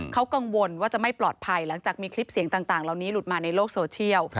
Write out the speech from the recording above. เขากังวลว่าจะไม่ปลอดภัยหลังจากมีคลิปเสียงต่างเหล่านี้หลุดมาในโลกโซเชียล